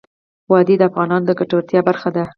وادي د افغانانو د ګټورتیا برخه ده.